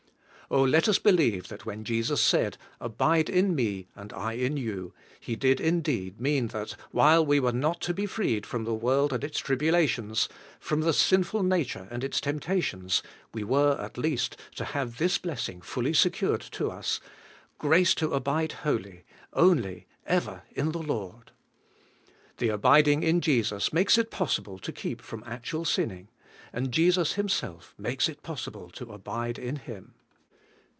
let us believe that when Jesus said, 'Abide in me, and I in you,' He did indeed mean that, while we were not to be freed from the world and its tribulation, from the sinful nature and its temptations, we were at least to have this blessing fully secured to us, — grace to abide wholly, only, ever in our Lord. The abiding in Jesus makes it possible to keep from actual sinning; and Jesus Himself makes it possible to abide in Him.